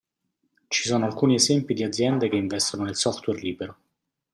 Ci sono alcuni esempi di aziende che investono nel software libero.